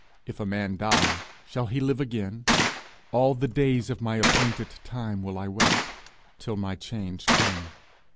If a man die, shall he live again? all the days of my appointed time will I wait, till my change come.